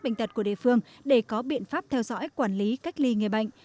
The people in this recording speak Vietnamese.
bệnh tật của địa phương để có biện pháp theo dõi quản lý cách ly người bệnh